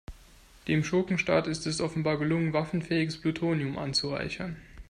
Dem Schurkenstaat ist es offenbar gelungen, waffenfähiges Plutonium anzureichern.